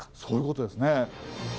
そういうことですね。